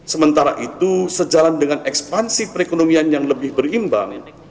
sementara itu sejalan dengan ekspansi perekonomian yang lebih berimbang